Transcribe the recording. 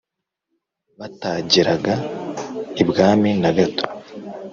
Batageraga iBwami na gato !